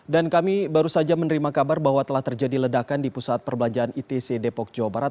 dan kami baru saja menerima kabar bahwa telah terjadi ledakan di pusat perbelanjaan itc depok jawa barat